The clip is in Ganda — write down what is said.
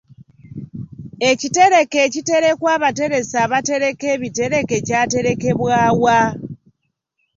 Ekitereke ekiterekwa abateresi abatereka ebitereke kyaterekebwa wa?